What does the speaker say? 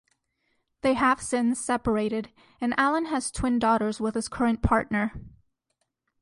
They have since separated and Allan has twin daughters with his current partner.